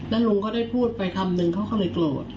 แล้วลุงก็ได้พูดไปคำนึงเขาก็เลยโกรธ